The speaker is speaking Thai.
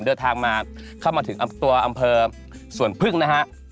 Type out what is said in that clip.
เดินทางมาเข้ามาถึงตัวอำเภอสวนพึ่งนะฮะ